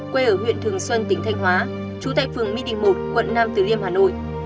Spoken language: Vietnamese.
quê ở huyện thường xuân tỉnh thanh hóa trú tại phường mi đình một quận năm tứ liêm hà nội